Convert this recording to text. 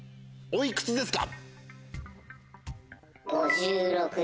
おいくつですか？